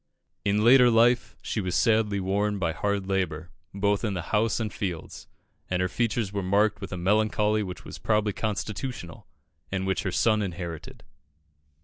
In later life she was sadly worn by hard labour, both in the house and fields, and her features were marked with a melancholy which was probably constitutional, and which her son inherited.